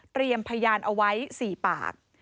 เตรียมพยานเอาไว้๔ปาก